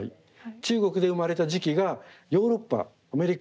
中国で生まれた磁器がヨーロッパアメリカ。